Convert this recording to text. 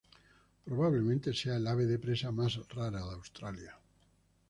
Probablemente sea el ave de presa más rara de Australia.